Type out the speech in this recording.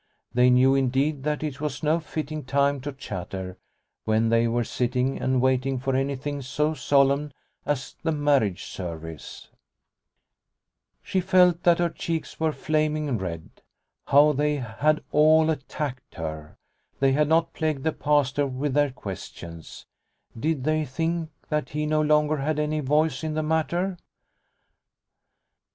They knew, indeed, that it was no fitting time to chatter when they were sitting and waiting for anything so solemn as the marriage service ! She felt that her cheeks were flaming red How they had all attacked her ! They had not plagued the Pastor with their questions. Did they think that he no longer had any voice in the matter